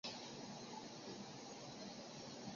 镰谷市是千叶县西北部的一市。